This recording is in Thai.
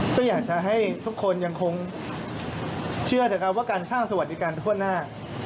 ก็อยากจะให้ทุกคนยังคงเชื่อเถอะครับว่าการสร้างสวัสดิการทั่วหน้า